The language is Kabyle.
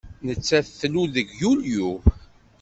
Nettat tlul deg Yulyu.